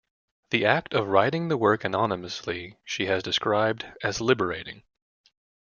The act of writing the work anonymously she has described as "liberating".